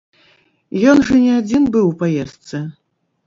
Ён жа не адзін быў у паездцы.